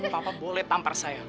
ya lho pas tadi